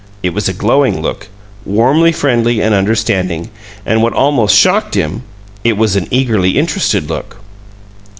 It was a glowing look, warmly friendly and understanding, and, what almost shocked him, it was an eagerly interested look.